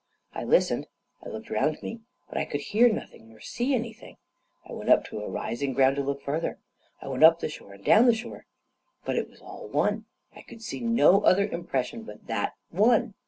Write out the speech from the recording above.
I listened, I looked round me, but I could hear nothing, nor see anything; I went up to a rising ground to look farther; I went up the shore and down the shore, but it was all one; I could see no other impression but that one.